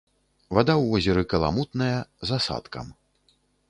Вада ў возеры каламутная, з асадкам.